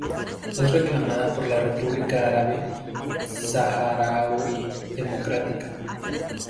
Es reclamada por la República Árabe Saharaui Democrática.